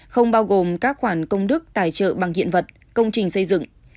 không bao gồm các khoản công đức tài trợ bằng hiện vật công trình xây dựng